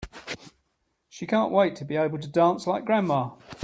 She can't wait to be able to dance like grandma!